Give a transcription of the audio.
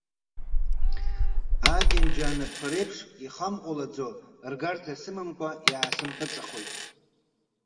Акьанџьа анапқәа реиԥш ихамҟәалаӡо, ргарҭа сымамкәа иаасымпыҵахоит.